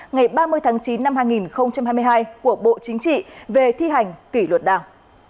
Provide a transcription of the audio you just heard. ngày ba mươi tháng chín năm hai nghìn hai mươi hai của bộ chính trị về thi hành kỷ luật đảng